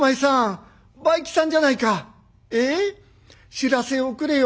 知らせをおくれよ。